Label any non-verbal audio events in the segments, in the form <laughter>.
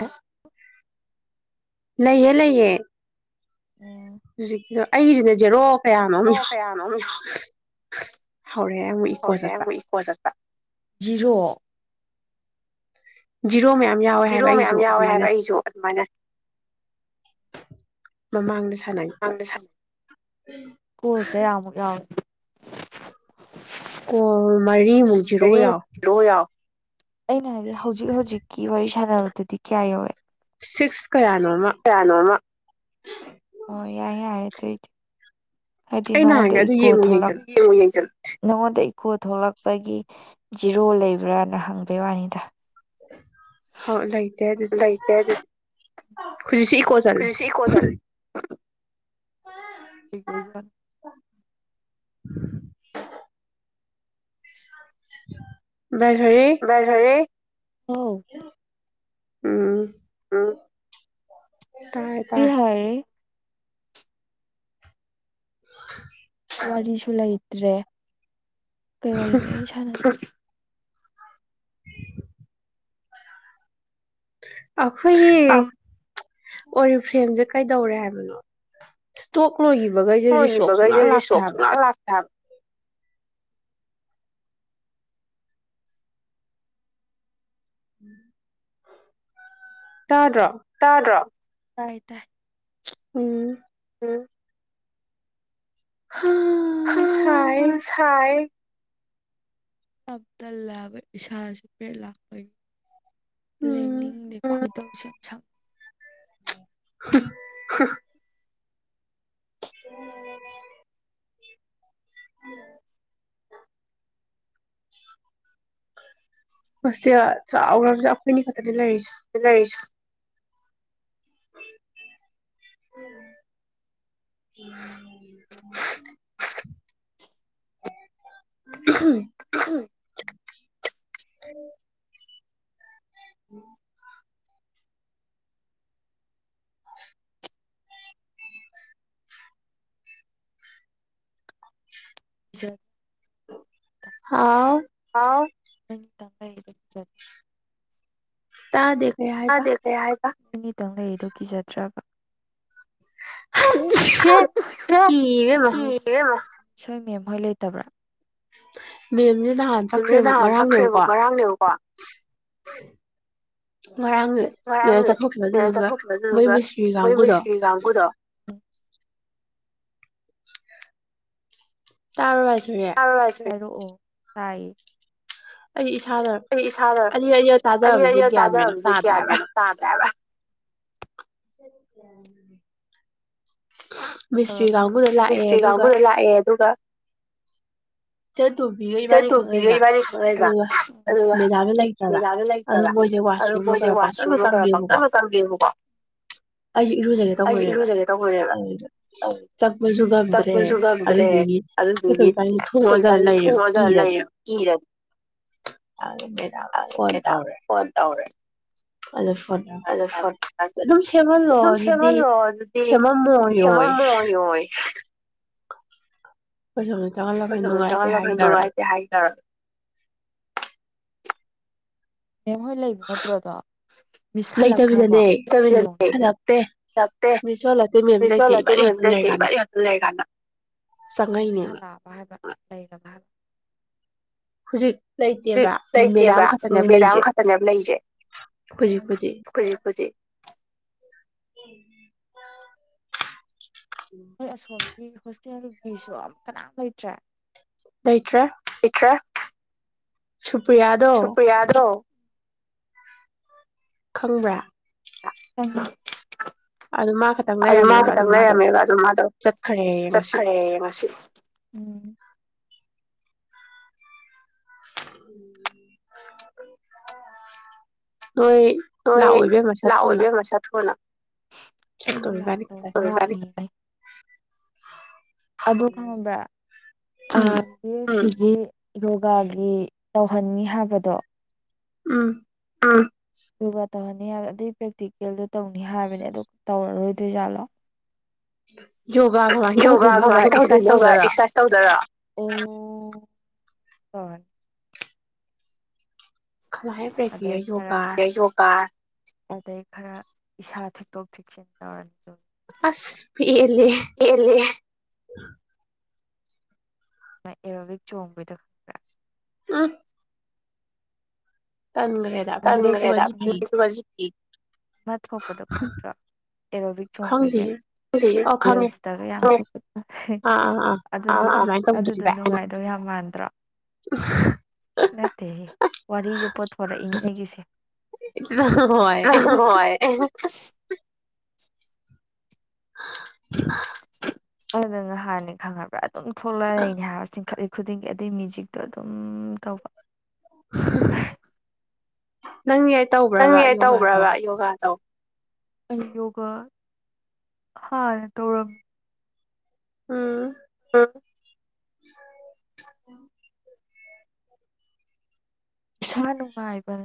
ꯍ ꯂꯩꯌꯦ ꯂꯩꯌꯦ ꯍꯨꯖꯤꯛ ꯑꯩꯅꯦ ꯖꯦꯔꯣꯛ ꯑꯣ ꯀꯌꯥꯅꯣꯅꯣ ꯍꯧꯔꯦ ꯑꯃꯨꯛ ꯏꯀꯣ ꯆꯠꯄ ꯖꯤꯔꯣ ꯖꯤ ꯗ꯭ꯔꯣ ꯃꯌꯥꯝ ꯌꯥꯎꯋꯦ ꯍꯥꯏꯕ ꯑꯩꯁꯨ ꯑꯗꯨꯃꯥꯏꯅ ꯃꯃꯥꯡꯅꯁꯨ <unintelligible> ꯀꯀꯜ ꯀꯌꯥꯃꯨꯛ ꯌꯥꯎꯏ ꯀꯣꯔ ꯃꯔꯤꯃꯨꯛ ꯖꯤꯔꯣ ꯌꯥꯎ ꯑꯩꯅ ꯍꯥꯏꯗꯤ ꯍꯧꯖꯤꯛ ꯍꯧꯖꯤꯛꯀꯤ ꯋꯥꯔꯤ ꯁꯥꯟꯅꯕꯗꯨꯗꯤ ꯀꯌꯥ ꯌꯧꯋꯦ ꯁꯤꯛꯁ ꯀꯌꯥꯅꯣꯃ ꯑꯣꯏ ꯌꯥꯏ ꯌꯥꯔꯦ ꯑꯗꯨꯗꯤ ꯍꯥꯏꯗꯤ ꯅꯉꯣꯟꯗ ꯏꯀꯣ ꯊꯣꯛꯂꯛ ꯅꯉꯣꯟꯗ ꯏꯀꯣ ꯊꯣꯛꯂꯛꯄꯒꯤ ꯖꯤꯔꯣ ꯂꯩꯕ꯭ꯔꯥꯅ ꯍꯪꯕꯩ ꯋꯥꯅꯤꯗ ꯍꯥꯎ ꯂꯥꯏꯇꯦ ꯑꯗꯨ ꯍꯧꯖꯤꯛ ꯁꯤ ꯏꯀꯣ ꯆꯠꯂꯦ ꯍ ꯊ <inaudible> ꯥꯏ ꯐꯔꯦ ꯍꯧ ꯎꯝ ꯎꯝ ꯍ ꯀ ꯍꯔꯦ <inaudible> ꯔꯤꯁꯨꯂꯥꯏ ꯇ꯭ꯔꯦ ꯀꯩ ꯋꯥꯔꯤꯅꯣ ꯑꯩꯅ ꯁꯥꯅꯦ <inaudible> <inaudible> ꯑꯈꯣꯏꯒꯤ ꯍ ꯑꯣꯏꯔꯤ ꯐ꯭ꯔꯦꯝꯁꯦ ꯀꯩꯗꯧꯔꯦ ꯍꯥꯏꯕꯅꯣ ꯏꯁꯇꯣ ꯂꯣꯏꯈꯤꯕꯒꯩ ꯑꯩꯁꯦ ꯔꯤꯁꯣꯔꯁꯁꯨ ꯂꯥꯛ ꯂꯥꯛꯇꯦ ꯍꯥꯏꯕꯅꯦ ꯎꯝ ꯇꯥꯗ꯭ꯔꯣ ꯑꯥꯏ ꯇꯥꯏ ꯎꯝ ꯎꯝ ꯑ ꯍꯥꯏꯥꯏ ꯑꯞꯇꯜꯂꯥꯕ ꯏꯁꯥꯥꯁꯦ ꯐꯦꯠ ꯂꯥꯛꯄꯒꯤ ꯂꯦꯡꯅꯤꯡꯣ ꯇꯧꯁ ꯌꯥꯝ ꯁꯪ ꯎꯝ <unintelligible> ꯍ ꯎꯝ ꯃꯁꯤꯁ ꯆꯥꯎꯔ ꯑꯩꯈꯣꯏꯅꯤ ꯈꯛꯇꯅꯤ ꯂꯩꯔꯤꯁꯦ ꯦꯁ ꯎꯝ <unintelligible> <unintelligible> ꯎꯝ ꯎꯝ ꯎꯝ ꯁ ꯍꯥꯎ ꯑꯥ ꯇ ꯇ ꯑꯗꯦꯦ ꯀ ꯈꯤꯇꯪ ꯂꯩꯗꯨꯣ ꯀꯤꯖꯗ꯭ꯔꯕ ꯀꯕꯃ ꯁꯣꯏ ꯃꯦꯝꯍꯣꯏ ꯂꯩꯇꯕ꯭ꯔꯥ ꯃꯦꯝ ꯑꯗꯨꯝꯗꯤ ꯅꯍꯥꯟ ꯆꯠꯈ꯭ꯔꯦꯕ ꯉꯔꯥꯡꯅꯦꯕꯀꯣ ꯉꯔꯥꯡ ꯆꯠꯊꯣꯛꯈꯤꯕ ꯑꯗꯨꯗꯨꯒ ꯃꯣꯏ ꯃꯤꯁꯇ꯭ꯔꯤ ꯀꯥꯡꯕꯨꯨꯗꯣ ꯇꯔ ꯍꯥꯏꯁ ꯆꯣꯁꯃꯦ ꯄꯔꯛꯑꯣ ꯇꯥꯏ ꯑꯩ ꯑꯅꯤ ꯑ ꯇꯥꯖꯁꯦ ꯒ꯭ꯌꯥꯟ ꯃꯅ ꯇꯥꯗ꯭ꯔꯦꯕ ꯦ ꯃꯤꯁꯇ꯭ꯔꯤ ꯀꯥꯡꯕꯨꯗ ꯂꯥꯛꯑꯦ ꯑꯗꯨꯒ ꯇꯣꯝꯕꯤꯒ ꯏꯕꯥꯅꯤ ꯈꯪꯉꯩꯕ ꯑꯗꯨꯒ ꯃꯦꯗꯥꯝꯒ ꯂꯩꯇ꯭ꯔꯕ ꯑꯗꯨ ꯃꯣꯏꯁꯦ ꯋꯥꯁꯔꯨꯝꯒ ꯈꯔ ꯄꯪꯇꯅ ꯆꯪꯉꯦꯕꯀꯣ ꯑꯩꯁꯨ ꯏꯔꯨꯖꯒꯦ ꯇꯧꯔꯅꯦꯕ ꯑꯗꯨꯗ ꯆꯪꯄꯁꯨ ꯉꯝꯗ꯭ꯔꯦ ꯑꯗꯨꯗꯨꯒꯤ ꯏꯅꯤ ꯍꯂ ꯄꯨꯡ ꯑꯣꯖ ꯂꯩ ꯀꯤꯔꯗꯤꯦꯗꯥ ꯐꯣꯟ ꯇꯧꯔꯦ ꯑꯗꯨ ꯐꯣꯟ ꯇꯧꯔꯀꯥꯟꯗ ꯑꯗꯨꯝ ꯁꯦꯝꯍꯜꯂꯣ ꯑꯗꯨꯗꯤ ꯁꯦꯝꯃꯝꯃꯣꯔꯣꯏ ꯍ ꯑꯩ ꯆꯪꯍꯜꯂꯒ ꯅꯨꯡꯉꯥꯏꯇꯦ ꯍꯥꯏꯇꯥꯔꯒ ꯃꯦꯝ ꯍꯣꯏ ꯂꯩꯕ ꯅꯠꯇ꯭ꯔꯣꯗꯣ ꯃꯤꯁ ꯍꯜꯂꯛꯈ꯭ꯔꯕꯣ ꯃꯤ ꯍꯂꯦ ꯂꯩ ꯏꯃ ꯍ ꯂꯩ ꯀꯥꯟꯗ ꯍꯧꯖꯤꯛ ꯍꯜꯂꯛꯑꯕ ꯍꯥꯏꯕ ꯂꯩꯩꯔꯚ ꯍꯧꯖꯤꯛ ꯂꯩꯇꯦꯕ ꯃꯦꯗꯥꯝ ꯈꯛꯇꯅꯦꯕ ꯂꯩ ꯈꯛꯇꯅꯦ ꯂꯩꯁꯩꯖꯤ ꯎꯁꯣ ꯍ ꯍꯁꯤ ꯆꯠ ꯁꯣ ꯑꯃ ꯀꯅꯥ ꯂꯩ ꯆ ꯂꯩꯇ꯭ꯔꯦ ꯁꯨꯄ꯭ꯔꯤꯌꯥꯗꯣ ꯈꯪꯕ꯭ꯔꯥ ꯎꯝ ꯑꯗꯨ ꯃꯥ ꯈꯇꯪ ꯂꯩꯔꯝꯃꯦꯕ ꯑꯗꯨ ꯃꯥꯗꯣ ꯆꯠꯈ꯭ꯔꯦ ꯉꯁꯤ ꯎꯝ ꯍꯣꯏ ꯂꯥꯛꯑꯣꯏꯕꯦꯝ ꯃꯁꯥ ꯊꯨꯅ ꯑꯣ ꯈꯕꯣꯛ ꯈꯉꯕ꯭ꯔ ꯑ ꯌꯣꯒꯥꯒꯤ ꯇꯧꯍꯟꯅꯤ ꯍꯥꯏꯕꯗꯣ ꯎꯝ ꯌꯣꯒꯥ ꯇꯧꯍꯟꯅꯤ ꯍꯥꯏꯕ ꯑꯗꯨꯏ ꯄ꯭ꯔꯦꯛꯇꯤꯀꯦꯜꯗꯣ ꯇꯧꯅꯤ ꯍꯥꯏꯕꯅꯦ ꯑꯗꯨ ꯇꯧꯔꯔꯣꯏꯗꯣꯏꯖꯥꯠꯂꯣ <inaudible> ꯌꯣꯒꯥ ꯀꯃꯥꯏꯅ ꯇꯧꯗꯣꯏꯅꯣꯕ ꯑꯦꯛꯁꯔꯁꯥꯏꯁ ꯇꯧꯗꯣꯏꯔꯣ ꯎꯝ ꯑꯣ ꯍꯣꯏ <inaudible> ꯑꯗꯩ ꯌꯣꯒꯥ ꯑꯗꯩ ꯈꯔ ꯏꯁꯥ ꯊꯛꯇꯣꯛ ꯊꯦꯛꯆꯟ ꯇꯧꯔꯅꯤ ꯑꯁ ꯄꯦꯜꯂꯦꯍꯦ ꯑꯦꯔꯣꯕꯤꯛ ꯆꯣꯡꯕꯩꯗꯣ ꯈꯪꯕ꯭ꯔꯥ ꯎꯝ ꯇꯟꯈ꯭ꯔꯦꯗ ꯐꯅꯦꯛꯇꯨꯒ <unintelligible> ꯑꯃ ꯊꯣꯛꯄꯗꯣ ꯈꯪꯗ꯭ꯔꯥ ꯑꯦꯔꯣꯕꯤꯛ ꯆꯣꯡꯕꯒꯤ ꯔꯤꯜꯁꯇꯒ ꯌꯥꯝ ꯑꯗꯨꯗꯣ ꯑꯗꯨ ꯗꯣ ꯅꯨꯡꯉꯥꯏꯗꯧ ꯌꯥꯝ ꯃꯥꯟ ꯇ꯭ꯔꯥ <inaudible> ꯅꯠꯇꯦꯍꯦ ꯋꯥꯔꯤꯖꯦ ꯄꯣꯊꯣꯔꯛ ꯏꯅꯦ ꯑꯩꯒꯤꯁꯦ ꯑ ꯍꯣꯏ <inaudible> ꯑꯗꯨꯗꯣ ꯅꯍꯥꯟꯅꯦ ꯈꯪꯉꯕ꯭ꯔ ꯑꯗꯨꯝ ꯊꯣꯛꯂꯛ ꯂꯩꯅꯦ ꯍꯥꯏꯕ ꯆꯤꯡꯈꯠꯂꯤ ꯈꯨꯗꯤꯡꯒꯤ ꯑꯗꯨꯏ ꯃ꯭ꯌꯨꯖꯤꯛꯇꯣ ꯑꯗꯨꯝ ꯇꯧꯕ <inaudible> ꯅꯪ <unintelligible> ꯇꯧꯕ꯭ꯔꯥꯕ ꯌꯣꯒꯥꯗꯣ ꯑꯩ ꯌꯣꯒꯥ ꯍꯥꯟꯅ ꯇꯧꯔꯝꯃꯤ ꯎꯝ ꯑꯝ <inaudible> ꯏꯁꯥ ꯅꯨꯡꯉꯥꯏꯕ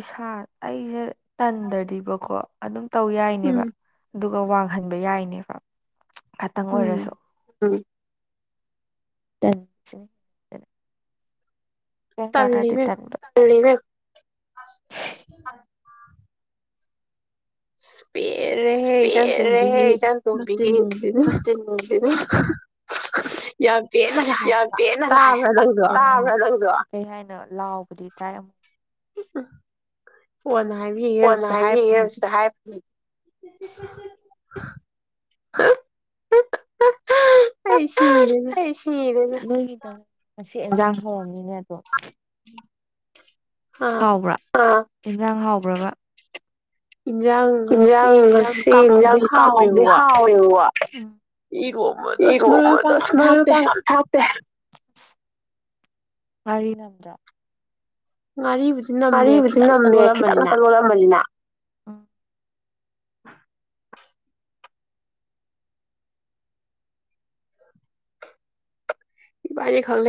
ꯏꯁꯥ ꯑꯩꯁꯦ ꯇꯟꯗꯔꯗꯤꯕꯀꯣ ꯑꯗꯨꯝ ꯇꯧ ꯌꯥꯏꯅꯦꯕ ꯑꯗꯨ ꯑꯗꯨꯒ ꯋꯥꯡꯍꯟꯕ ꯌꯥꯏꯅꯦꯕ ꯈꯇꯪ ꯑꯣꯏꯔꯁꯨ <inaudible> ꯀꯩꯝ ꯀꯥꯅꯗꯦ ꯇꯟꯕ <unintelligible> <inaudible> <inaudible> ꯑ ꯄꯦꯜꯔꯦꯍꯦ ꯏꯟꯆꯟ ꯊꯣꯝꯕꯤꯒꯤ ꯀꯆꯤꯟ ꯌꯥꯝ ꯄꯦꯟꯅꯒ ꯍꯥꯏꯕ ꯇꯥꯕ꯭ꯔꯥ ꯅꯪꯁꯨ ꯀꯩ ꯍꯥꯏꯅ ꯂꯥꯎꯕꯗꯤ ꯇꯥꯏ ꯑꯃꯨꯛ ꯍꯅ ꯀꯣꯟꯅ ꯍꯥꯏꯕꯤ ꯁꯤꯗ ꯍꯥꯏꯕ <inaudible> ꯑꯩ ꯁꯤ ꯉꯁꯤ ꯑꯦꯟꯖꯥꯡ ꯍꯧꯔꯝꯅꯤꯅꯦ ꯑꯗꯣ ꯍꯥꯏ <inaudible> ꯍꯥꯎꯕ꯭ꯔꯥ ꯏꯟꯖꯥꯡ ꯍꯥꯎꯕ꯭ꯔꯕ ꯌꯦꯟꯁꯥꯡ ꯉꯁꯤ ꯌꯦꯟꯁꯥꯡ ꯀꯥꯡꯍꯧꯗꯤ ꯍꯥꯎꯋꯦꯕꯀꯣ ꯏꯔꯣꯟꯕꯗꯣ ꯑꯁ ꯃꯔꯣꯏ ꯃꯄꯥꯡ ꯑꯝ ꯊꯥꯛꯇꯦ ꯉꯥꯔꯤꯅꯝꯗ꯭ꯔꯣ ꯉꯔꯤ ꯉꯔꯤꯕꯨꯗꯤ ꯅꯝꯃꯦ ꯈꯤꯇꯪ ꯉꯥꯛꯇꯪ ꯂꯣꯜꯂꯝꯃꯅꯤꯅ ꯑꯥ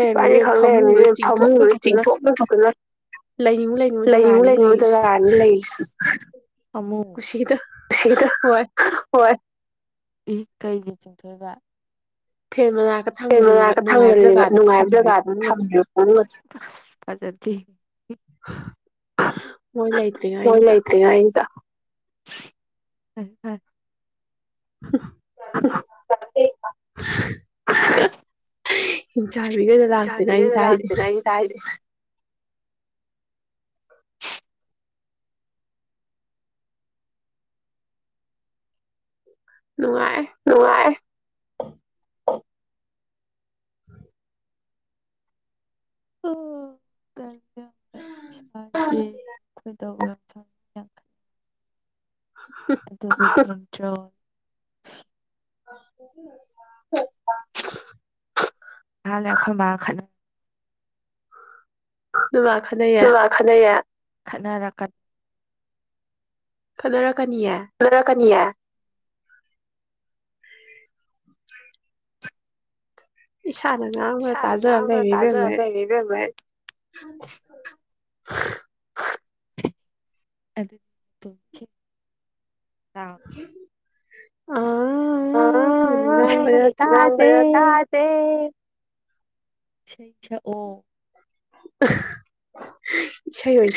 ꯏꯕꯥꯅꯤ ꯈꯛ ꯂꯩꯔꯕꯅꯤꯅꯦ ꯐꯃꯨꯡꯗ ꯆꯤꯡꯊꯣꯛꯅ ꯊꯣꯛꯨꯇꯅ ꯂꯩꯅꯤꯡꯉꯨ ꯂꯩꯅꯤꯡꯉꯨꯗꯖꯅꯤ ꯂꯩꯔꯤꯁꯤ ꯑꯃꯨꯛ ꯁꯤꯗ ꯍꯣꯏ ꯏ ꯀꯩꯒꯤ ꯆꯤꯡꯊꯣꯏꯕ ꯁꯦꯟ ꯃꯅꯥꯛꯇ ꯊꯥꯡꯒꯜꯂꯤꯕ ꯅꯨꯡꯉꯥꯏꯕ ꯖꯒꯥꯗ ꯊꯝꯕ ꯐꯦ ꯃꯣꯏ ꯂꯩꯇ꯭ꯔꯤꯉꯩ ꯑꯩꯁꯤꯗ ꯎ ꯎꯝ <inaudible> ꯍꯤꯟ ꯆꯥꯕꯤꯈꯩꯗ ꯂꯥꯛꯇꯦꯅ ꯑꯩꯁꯤꯗ ꯍꯥꯏꯁꯦ ꯅꯨꯡꯉꯥꯏ ꯍ ꯑꯣ <unintelligible> ꯑꯦ <unintelligible> ꯆꯥꯎ ꯑ ꯇꯂꯈ ꯃꯥ ꯈꯗ <unintelligible> ꯅꯨꯢ ꯃꯥ ꯈꯠꯅꯩꯌꯦ ꯈꯠꯅꯔꯛꯀ ꯈꯠꯅꯔꯛ ꯈꯠꯅꯔꯛꯀꯅꯤꯌꯥ ꯊꯅꯤ <unintelligible> ꯢꯕꯦꯝꯃ ꯑꯩ ꯑꯗꯨ <unintelligible> ꯀ ꯑ ꯏ ꯉꯝꯕꯔ ꯇꯥꯗꯦ ꯁ ꯆ ꯑꯣ <inaudible>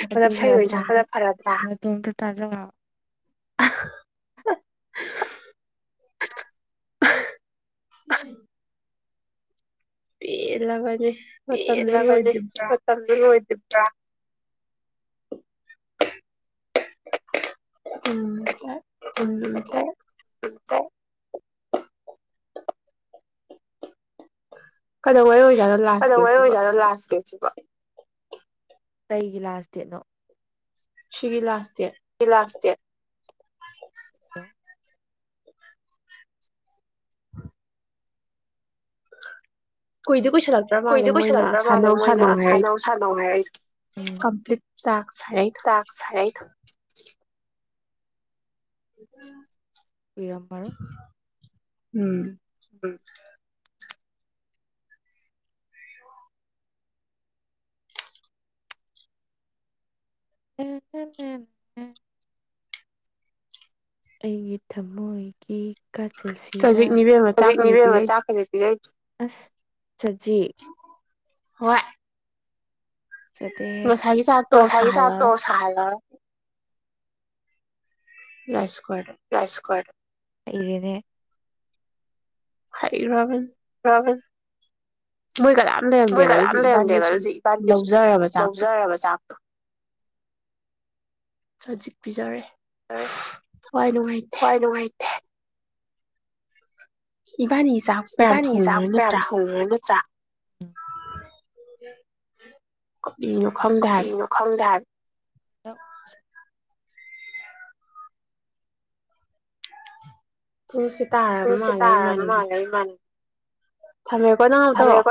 ꯍꯥꯏꯗꯤ ꯏꯁꯩ ꯍꯣꯏ ꯁꯪꯄꯗ ꯐꯔꯗ꯭ꯔꯥ ꯍꯪꯇ ꯇꯥꯖꯉ ꯍ ꯄꯂ ꯃꯅꯦ ꯑꯦꯂꯒꯅꯤꯦ ꯃ ꯍ ꯑ ꯎꯝ ꯎꯝ ꯀꯗꯧꯋꯥꯩ ꯑꯣꯏꯖꯥꯔ ꯂꯥꯛꯥꯁꯀꯦ ꯁꯤꯕ ꯀꯩꯒꯤ ꯂꯥꯁ ꯗꯦꯠꯅꯣ ꯁꯤꯤꯕꯤꯂ ꯑ ꯑꯁꯤꯇ ꯂꯥꯁ ꯗꯦꯠ ꯀꯣꯏꯗꯤ ꯀꯨꯏꯗ ꯀꯨꯏꯁꯜꯂꯛꯇ꯭ꯔ ꯃꯥꯜꯂꯦ ꯃꯣꯏꯅ ꯁꯥꯟꯅꯧ ꯁꯥꯟꯅꯧ ꯍꯥꯏꯔꯏꯗꯣꯥꯛ ꯍꯥꯏꯔꯏꯗꯣ ꯍ ꯄꯔꯝ ꯄꯥꯔꯣ ꯎꯝ ꯎ ꯎꯝ ꯎ ꯎ ꯎꯝ ꯑꯩꯒꯤ ꯊꯝꯃꯣꯏꯒꯤ ꯀꯥꯆꯜꯁꯤꯔ ꯍꯧꯖꯤꯛ ꯅꯤꯕꯦꯝ ꯃ ꯆꯥꯛ ꯈꯖꯤꯛ ꯄꯤꯔꯩꯦ ꯑꯁ ꯆꯠꯖꯤ ꯋꯥ ꯑꯗꯨꯗ ꯃꯁꯥꯏꯒꯤ ꯆ ꯇꯣꯁ ꯍꯥꯏꯂ ꯅꯁ ꯔꯥꯁꯀꯣꯠ ꯏꯔꯦꯅꯦ ꯍꯥꯏꯔꯕꯕꯦꯟ ꯑ ꯃꯣꯏ ꯀꯗꯥꯝ ꯂꯩꯔꯝꯗꯦꯕ ꯑꯗꯨꯗꯤ ꯏꯕꯥꯅꯤ ꯁꯨꯝ ꯂꯧꯖꯔꯕ ꯆꯥꯛꯇꯣ ꯆꯖꯤꯛ ꯄꯤꯖꯔꯦ ꯦ ꯍꯣꯏ ꯅꯨꯡꯉꯥꯏꯇꯦ ꯏꯕꯥꯅꯤ ꯆꯥꯛꯄꯌꯥꯝ ꯊꯣꯡꯉꯨꯔꯣꯏ ꯅꯠꯇ꯭ꯔꯥ <inaudible> ꯀꯅꯣ ꯈꯪꯗꯦ ꯍꯥꯏꯕ ꯑ ꯍꯁꯤ ꯇꯁꯤ ꯇꯥꯔꯅ ꯃꯥꯂꯩ ꯃꯅꯤ ꯊꯝꯃꯦꯀꯣ ꯅꯪꯍꯥꯛ ꯇꯧꯔꯛꯑꯣ